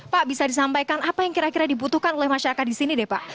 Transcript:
pak bisa disampaikan apa yang kira kira dibutuhkan oleh masyarakat di sini deh pak